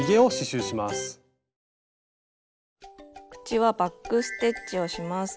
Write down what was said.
口はバック・ステッチをします。